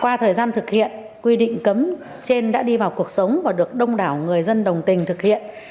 qua thời gian thực hiện quy định cấm trên đã đi vào cuộc sống và được đông đảo người dân đồng tình thực hiện